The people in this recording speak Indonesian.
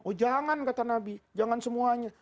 oh jangan kata nabi jangan semuanya